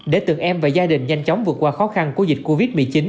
để từng em và gia đình nhanh chóng vượt qua khó khăn của dịch covid một mươi chín